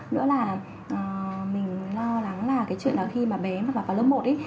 nữa là mình lo lắng là cái chuyện là khi mà bé vào lớp một ý